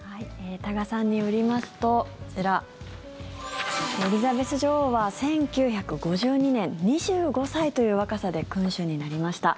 多賀さんによりますとこちら、エリザベス女王は１９５２年、２５歳という若さで君主になりました。